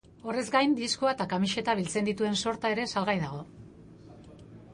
Horrez gain, diskoa eta kamiseta biltzen dituen sorta ere salgai dago.